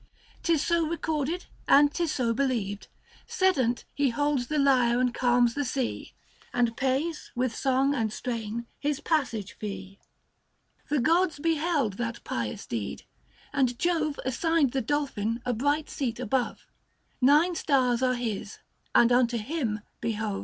105 'Tis so recorded and 'tis so believed — Sedent he holds the lyre and calms the sea, And pays, with song and strain, his passage fee. d 2 36 THE FASTI. Book II. The gods beheld that pious deed ; and Jove Assigned the dolphin a bright seat above : 110 Nine stars are his, and unto him behove.